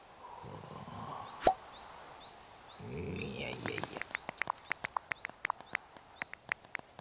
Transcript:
いやいやいや。